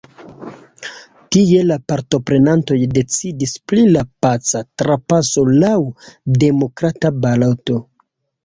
Tie la partoprenantoj decidis pri la paca trapaso laŭ demokrata baloto.